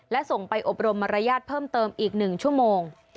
และส่งไปอบรมมารยาทเพิ่มเติมอีก๑ชั่วโมง